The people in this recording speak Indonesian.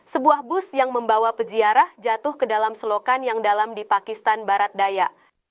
sebuah bus yang membawa peziarah jatuh ke dalam selokan yang dalam di pakistan barat daya